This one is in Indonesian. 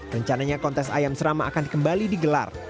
rencananya kontes ayam serama akan kembali digelar